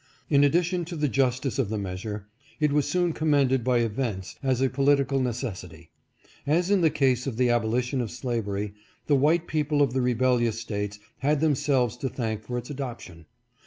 In addition to the justice of the measure, it was soon commended by events, as a political necessity. As in the case of the abolition of slavery, the white people of the rebellious States have themselves to thank for its adoption.